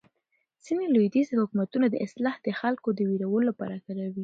ځینې لویدیځ حکومتونه دا اصطلاح د خلکو د وېرولو لپاره کاروي.